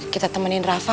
kita temenin rafa